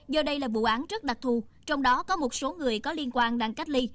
do đây là vụ án rất đặc thù trong đó có một số người có liên quan đang cách ly